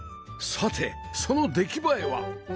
さてその出来栄えは？